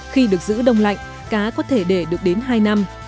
khi được giữ đông lạnh cá có thể để được đến hai năm